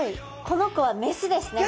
この子はメスですね。